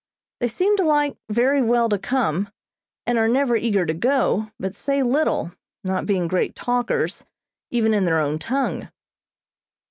They seem to like very well to come, and are never eager to go, but say little, not being great talkers, even in their own tongue.